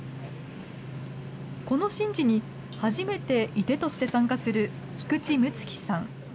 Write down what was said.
この神事に初めて射手として参加する菊池睦月さん。